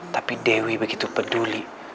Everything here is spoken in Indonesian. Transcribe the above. tapi dewi begitu peduli